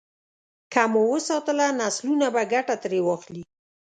که مو وساتله، نسلونه به ګټه ترې واخلي.